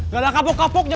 gak ada kapok kapoknya